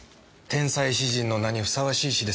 天才詩人の名にふさわしい詩です。